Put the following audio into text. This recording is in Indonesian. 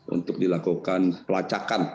untuk dilakukan pelacakan